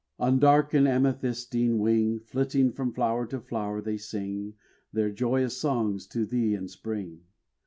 On dark and amethystine wing Flitting from flower to flower they sing Their joyous songs to thee in spring.